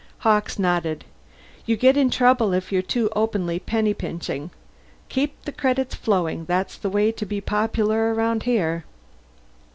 Hawkes nodded. "You get in trouble if you're too openly penny pinching. Keep the credits flowing; that's the way to be popular around here."